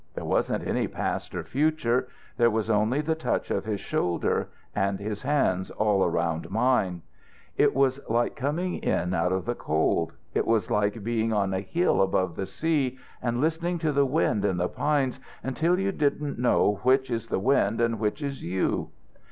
There wasn't any past or future; there was only the touch of his shoulder and his hands all around mine. It was like coming in out of the cold; it was like being on a hill above the sea, and listening to the wind in the pines until you don't know which is the wind and which is you....